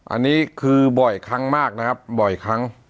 อันนี้คือบ่อยครั้งมากนะครับบ่อยครั้ง